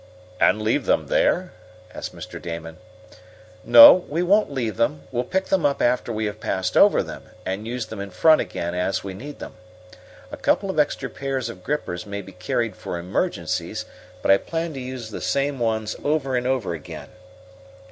"And leave them there?" asked Mr. Damon. "No, we won't leave them. We'll pick them up after we have passed over them and use them in front again as we need them. A couple of extra pairs of grippers may be carried for emergencies, but I plan to use the same ones over and over again."